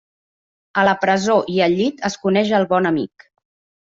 A la presó i al llit es coneix el bon amic.